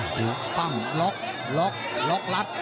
โอ้โหปั้งล็อกล็อกล็อกลัด